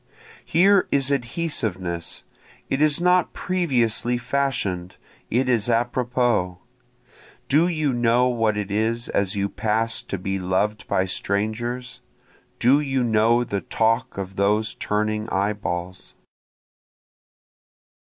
Here is adhesiveness, it is not previously fashion'd, it is apropos; Do you know what it is as you pass to be loved by strangers? Do you know the talk of those turning eye balls?